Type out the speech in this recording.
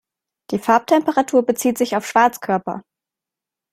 Die Farbtemperatur bezieht sich auf Schwarzkörper.